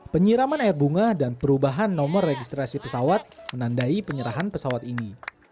penyiraman air bunga dan perubahan nomor registrasi pesawat menandai penyerahan pesawat ini